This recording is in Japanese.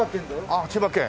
あっ千葉県！